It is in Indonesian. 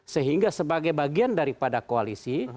sehingga sebagai bagian daripada koalisi